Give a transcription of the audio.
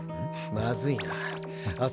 まずいなあ